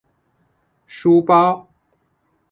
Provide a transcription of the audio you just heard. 书包